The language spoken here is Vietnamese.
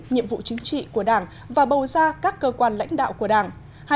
nhiệm vụ chính trị của đảng và bầu ra các cơ quan lãnh đạo của đảng